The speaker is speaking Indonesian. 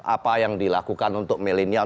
apa yang dilakukan untuk milenial